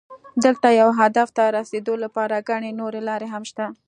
دلته یو هدف ته رسېدو لپاره ګڼې نورې لارې هم شته.